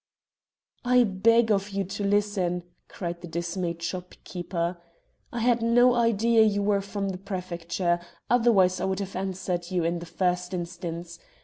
"I beg of you to listen," cried the dismayed shopkeeper. "I had no idea you were from the Prefecture, otherwise I would have answered you in the first instance.